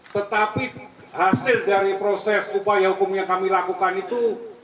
tetapi hasil dari proses upaya hukum yang kami lakukan itu